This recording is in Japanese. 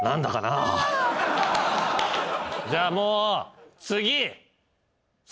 じゃあもう。